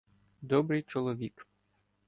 Добрий чоловік.